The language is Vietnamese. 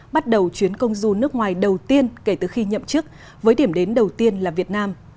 bắt đầu chuyến công du nước ngoài đầu tiên kể từ khi nhậm chức với điểm đến đầu tiên là việt nam